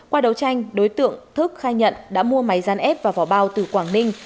qua đấu tranh đối tượng thức khai nhận đã mua máy gian ép và vỏ bao từ quảng ninh